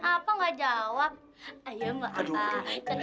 apa gak jawab